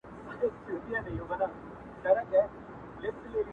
چي قلم ورته عاجزه دی